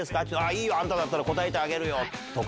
あー、いいですよ、あんただったら答えてあげるよとか。